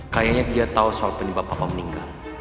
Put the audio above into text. kayaknya dia tahu soal penyebab papa meninggal